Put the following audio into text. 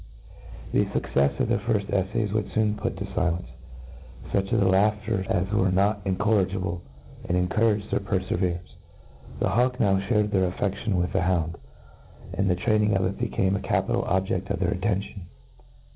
The fuccefs* ef their firft effays would foon put to filence fuch of the laugher^ as were not incorrigible, and encourage their perfeverance.? The hawk now (hared their aflfeftion with the hound, and the training of it became a capital objefl: of their attention.